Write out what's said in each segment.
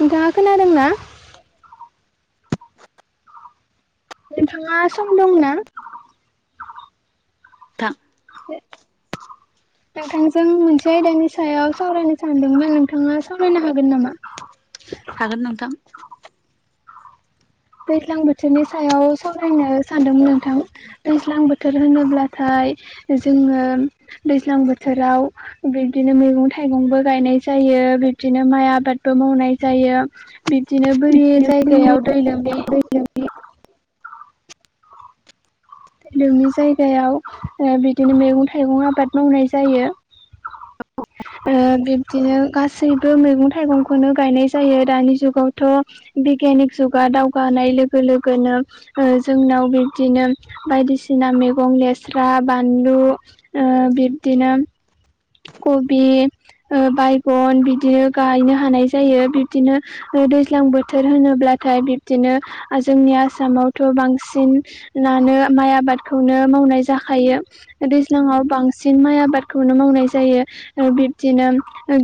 नोंथाङा खोनादों ना। नोंथाङा सम दं ना। थां। बे। नोंथांजों मोनसे आयदानि सायाव सावरायनो सानदोंमोन नोंथाङा सावरायनो हागोन नामा। [unintelligible] हागोन नोंथां। दैज्लां बोथोरनि सायाव सावरायनो सानदोंमोन नोंथां। दैज्लां बोथोर होनोब्लाथाय जोङो दैज्लां बोथोराव बिब्दिनो मैगं-थाइगंबो गायनाय जायो बिब्दिनो माइ आबादबो मावनाय जायो। बिब्दिनो बोरि जायगायाव दै लोमि लोमि जायगायाव ओ बिदिनो मैगं-थाइगं आबाद मावनाय जायो। [unintelligible] ओ बिब्दिनो गासैबो मैगं-थाइगंखौनो गायनाय जायो दानि जुगावथ'। बिगियानिक जुगा दावगानाय लोगो-लोगोनो ओ जोंनाव बिब्दिनो बायदिसिना मैगं लेस्रा, बानलु, ओ बिब्दिनो कबि ओ बायगन बिदिनो गायनो हानाय जायो बिब्दिनो बे दैज्लां बोथोर होनोब्लाथाय बिब्दिनो जोंनि आसामावथ' बांसिन नानो माइ आबादखौनो मावनाय जाखायो। दैज्लांआव बांसिन माइ आबादखौनो मावनाय जायो ओ बिब्दिनो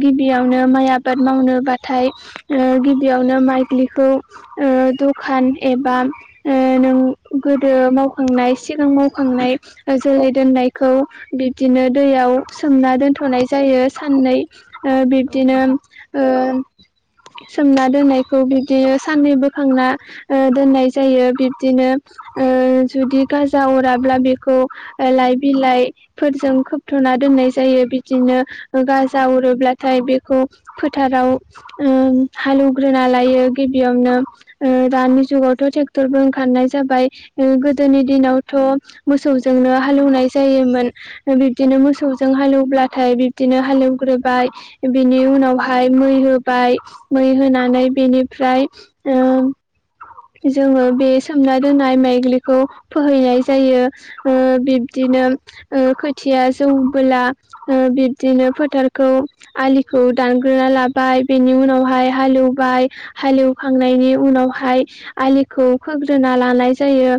गिबियावनो माइ आबाद मावनोबाथाय ओ गिबियावनो माइज्लिखौ ओ दखान एबा ओ नों गोदो मावखांनाय सिगां मावखांनाय ओ जोलै दोननायखौ बिब्दिनो दैयाव सोमना दोनथ'नाय जायो सान्नै ओ औ बिब्दिनो नोंथां। ओ सोमना दोननायखौ बिब्दिनो सान्नै, बोखांना ओ दोननाय जायो बिब्दिनो ओ जुदि गाजा अराब्ला बेखौ ओ लाइ-बिलाइफोरजों खोबथ'ना दोननाय जा जायो बिदिनो गाजा अरोब्लाथाय बेखौ फोथाराव ओ हालएवग्रोना लायो गिबियावनो ओ दानि जुगाव थ' ट्रेक्टरबो ओंखारनाय जाबाय ओ गोदोनि दिनावथ' मोसौजोंनो हालेवनाय जायोमोन बिब्दिनो मोसौजों हालेवब्लाथाय बि बिदिनो हालेवग्रोबाय बिनि उनावहाय मै हो बाय मै होनानै बेनिफ्राय ओ जोङो बे सोमना दोननाय माइज्लिखौ फोहैनाय जायो। ओ बिब्दिनो ओ खोथिया जौबोला ओ बिब्दिनो फोथारखौ आलिखौ दानग्रोना ला बाय बेनि उनावहाय हालेवबाय हालेवखांनायनि उनावहाय आलिखौ खोग्रोना लानाय जायो।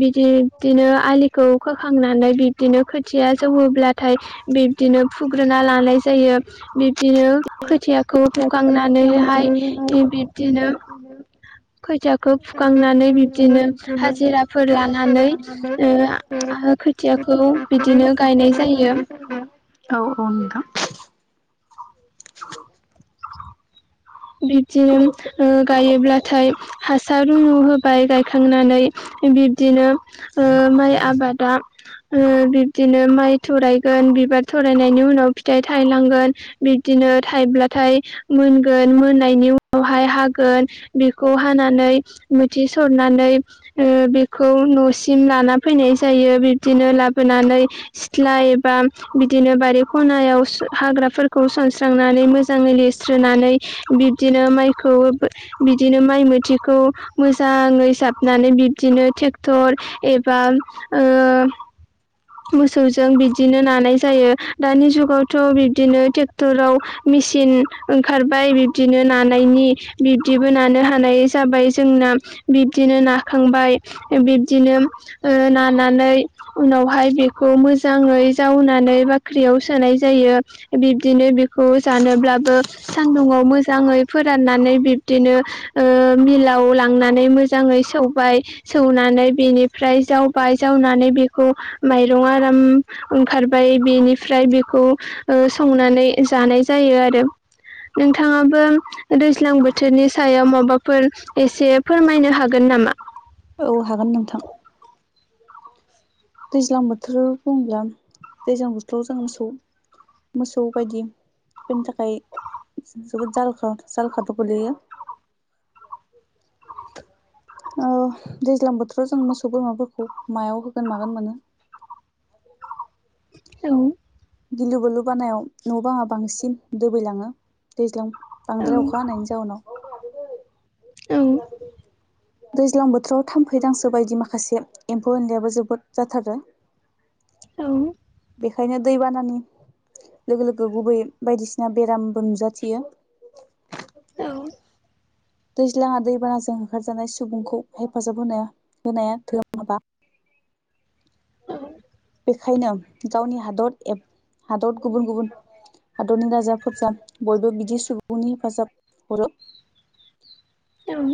बिदि-बिब्दिनो आलिखौ खोखांनानै बिब्दिनो खोथिया जौयोब्लाथाय बिब्दिनो फुग्रोना लानाय जायो। बि ब्दिनो खोथियाखौ फुखांनानैहाय बिब्दिनो खोथिया खो फुखांनानै बिब्दिनो हाजिराफोर लानानै ओ हा-खो खोथियाखौ बिदिनो गायनाय जायो। औ-औ नोंथां। बिब्दिनो ओ गायोब्ला थाय हासार रुु होबाय गायखांनानै बिब्दिनो ओ माइ आबादा ओ बिब्दिनो माइ थरायगोन बिबार थरायनायनि उनाव फिथाइ थायलांगोन बिब्दिनो थाइब्लाथाय मोनगोन मोननायनि उना बहाय हागोन बेखौ हानानै मोथि सरनानै ओ बेखौ न'सिम लाना फैनाय जायो बिब्दिनो लाबोनानै सिथ्ला एबा बिदिनो बारि खनायाव सो हाग्राफोरखौ सन स्रांनानै मोजाङै लिरस्रोनानै बिब्दिनो माइखौ बिदिनो माइ मोथिखौ मोजाङै साबनानै बिब्दिनो ट्रेक्टर एबा ओ मोसौजों बिदिनो नानाय जायो दानि जुगाव थ' बिब्दिनो ट्रेक्टराव मेसिन ओंखार फ्राय बिब्दिनो नानायनि बिब्दिबो नानो हानाय जाबाय जोंना बिब्दिनो नाखांबाय बि बिदिनो ओ नानानै उनावहाय बेखौ मोजा मोजाङै जावनानै बाख्रियाव सोनाय जायो। बिब्दिनो बेखौ जानोब्लाबो सान्दुङआव मोजाङै फोराननानै बिब्दिनो ओ मिलाव लांनानै मोजाङै सौबाय सौनानै बेनिफ्राय जावबाय जावनानै बेखौ माइरं आराम ओंखारबाय बेनिफ्राय बेखौ संनानै जानाय जायो आरो। नोंथाङाबो ओ दैज्लां बोथोरनि सायाव माबाफोर एसे फोरमायनो हागोन हागोन नामा। औ हागोन नोंथां दैज्लां बोथोर बुंब्ला दैज्लां बोथोराव जों मोसौ। मोसौ बायदिफोरनि थाखाय जोबोद जाल -जाल खादु गोलैयो ओ दैज्लां बोथोराव जों मोसौ बोरमाफोरखौ मायाव होगोन मागोन मोनो। औ। गिलु -बालु बानायाव न'बो आंहा बांसिन दुबैलाङो दैज्लां बांद्राय अखा हानायनि जाउनाव [unintelligible] दैज्लां बोथोराव थाम्फैदांसो बायदि माखासे एम्फौ एनलाययाबो जोबोद जाथारो औ। बेखायनो दैबानानि लोगो -लोगो गुबै बायदिसिना बेरामबो नुजाथियो। औ। दैज्लाङा दैबानाजों होखारजानाय सुबुंखौ हेफाजाब होनो होनाया धोरोम हाबा बेखायनो गावनि हादर एब हादर गुबुन गुबुन हादरनि राजाफोरज बयबो बिदि सुबुंनि हेफाजाब हरो उम।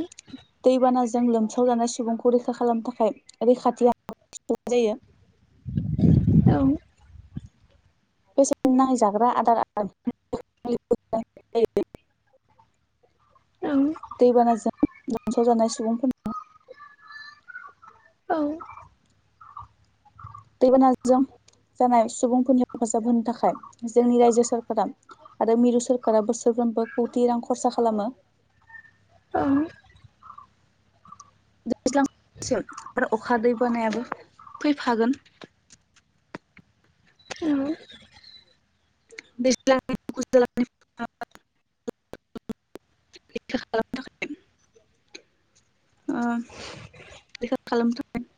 दैबानाजों लोमसावजानाय सुबुंखौ रैखा खालामनो थाखाय रैखाथि जायो बेसे नाङै जाग्रा आदार [unintelligible] ओं। दैबानाजों लोमसाव जानाय सुबुंफोरनि औ। दैबानाजों जानाय सुबुंफोरनि हेफाजाब होनो थाखाय जोंनि रायजो सरका आरो मिरु सोरखारा बोसोरफ्रोमबो खौथि रां खरसा खालामो। ओं दैज्लां बोथोरसिम आरो अखा दैबानायाबो फैफागोन उम। [unintelligible] [unintelligible]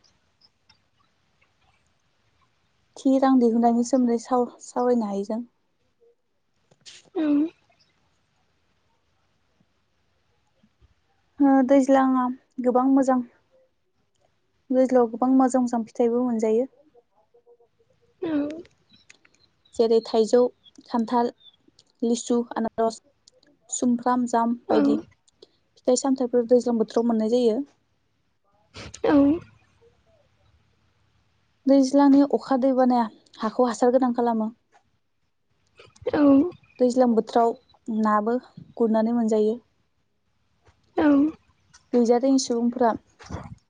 थि रां दिहुननायनि सोमोन्दै साव -सावरायनो हायो जों ओं ओ दैज्लाङा गोबां मोजां दैज्लांआव गोबां मोजां मोजां फिथाइबो मोनजायो [unintelligible] जेरै थाइजौ, खान्थाल, लिसु, आनारस, सुमफ्राम जाम बायदि फिथाइ सामथायाइफोर दैज्लां बोथोराव मोननाय जायो। दैज्लांनि अखा दैबानाया हाखौ हासार गोनां खालामो। औ दैज्लां बोथोराव नाबो गुरनानै मोनजायो। गैजारोङै सुबुंफोरा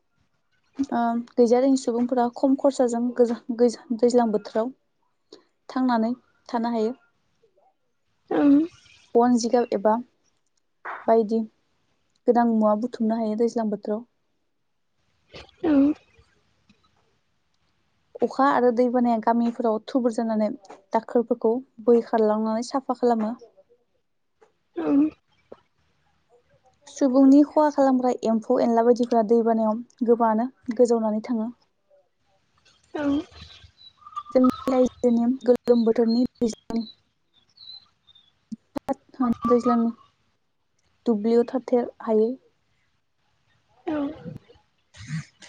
[inaudible] ओम‌ गैज रोङि सुबुंफोरा खम खरसाजों गोजा- गोजा दैज्लां बोथोराव थांनानै थानो हायो। ओंं बन जिगाब एबा बायदि गोनां मुवा बुथुमनो हायो दैज्लां बोथोराव औ अखा आरो दैबानाया गामिफोराव थुबुर जानानै दाखोरफोरखौ बोहै खारलांनानै साफा खालामो। ओं सुबुंनि खहा खालामग्रा एम्फौ एनला बायदिफोरा दैबानायाव गोबाङानो गोजावनानै थाङो। औ जोंनि रायजोनि गोलोम बोथोरनि दैज्लां [unintelligible] दैज्लांनि दुब्लियाव थाथे हायोै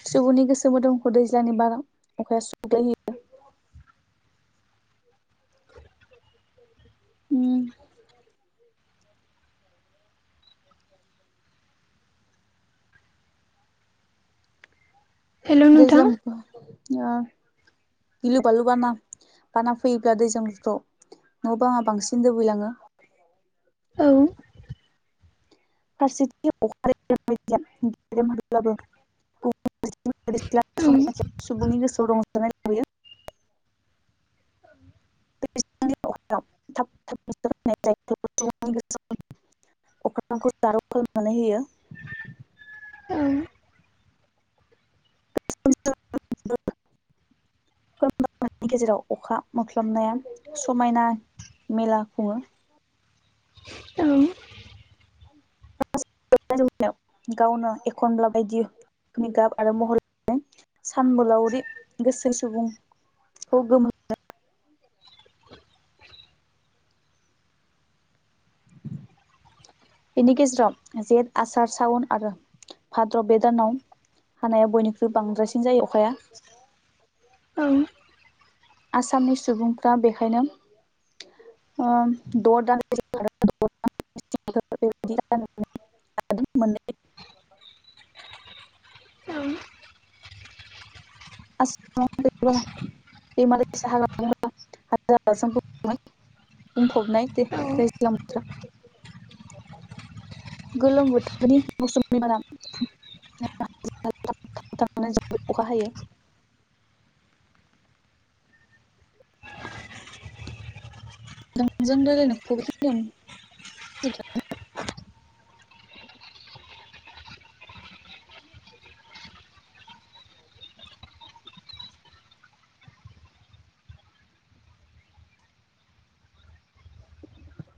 सुबुंनि गोसो मोदोमखौ दैज्लनि बारा अखाया सुग्लायो। उम [inaudible] नोंथां दैज्लां ओ गिलु बालु बाना बाना फैयोब्ला दैज्लांबोथोराव न बांआ बांसिन दोबैलाङो। औ फारसेथिबो [unintelligible] [unintelligible] औ सुबुंनि गोसोआव रंजानाय लाबोयो [inaudible] [unintelligible] जारौ खालामनानै होयो [inaudible] [unintelligible] अखा मोफ्लाबनाया समायना मेला खुङो औ [unintelligible] गावनो एखनब्ला बायदि नि गाब आरो महर सानबोलावरि गोसो सुबुं [unintelligible] [inaudible] बिनि गेजेराव जेठ, आसार, सावन आरो भाद्र बेदानाव हानाया बयनिख्रुइ बांद्रायसिन जायो अखाया औ आसामनि सुबुंफोरा बेखायनो ओम द' दान [unintelligible] [unintelligible] मोनै औ [unintelligible] बुंफबनाय दे औ दैज्लां बोथोरा [inaudible] गोलोम बोथोरनि मौसुम बारा [unintelligible] अखा हायो [inaudible] [unintelligible]